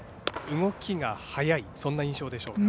動きが速いそんな印象でしょうか。